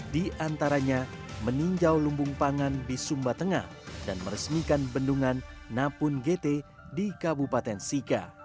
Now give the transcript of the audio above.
di antaranya meninjau lumbung pangan di sumba tengah dan meresmikan bendungan napungete di kabupaten sika